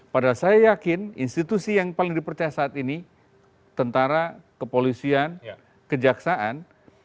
pada saya yakin institusi yang paling dipercaya saat ini tentara kepolisian kejaksaan